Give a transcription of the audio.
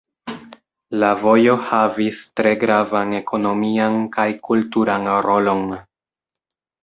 La vojo havis tre gravan ekonomian kaj kulturan rolon.